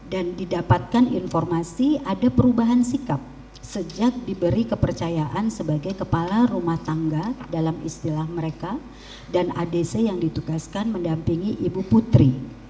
dan didapatkan informasi ada perubahan sikap sejak diberi kepercayaan sebagai kepala rumah tangga dalam istilah mereka dan adc yang ditugaskan mendampingi ibu putri